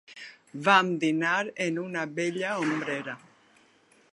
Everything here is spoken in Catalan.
Vam dinar en una bella ombrera.